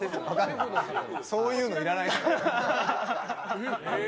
そういうのいらないです。